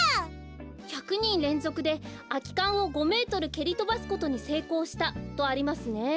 「１００にんれんぞくであきかんを５メートルけりとばすことにせいこうした」とありますね。